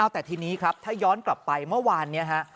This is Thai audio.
แต่ทีนี้ครับถ้าย้อนกลับไปเมื่อวานนี้ฮะ